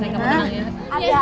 tenang tenang tenang